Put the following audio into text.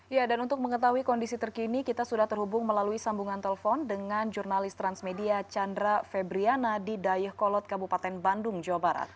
ya dan untuk mengetahui kondisi terkini kita sudah terhubung melalui sambungan telepon dengan jurnalis transmedia chandra febriana di dayakolot kabupaten bandung jawa barat